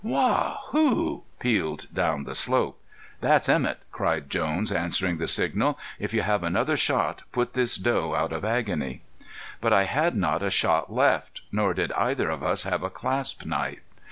"Waa hoo!" pealed down the slope. "That's Emett," cried Jones, answering the signal. "If you have another shot put this doe out of agony." But I had not a shot left, nor did either of us have a clasp knife.